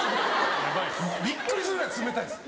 びっくりするぐらい冷たいです。